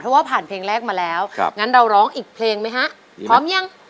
เพราะว่าผ่านเพลงแรกมาแล้วครับงั้นเราร้องอีกเพลงไหมฮะพร้อมยัง